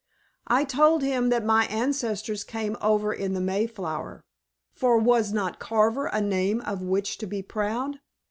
I told him that my ancestors came over in the Mayflower, for was not Carver a name of which to be proud?